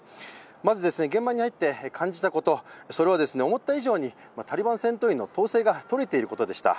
まず、現場に入って感じたことそれは思った以上にタリバン戦闘員の統制がとれていることでした。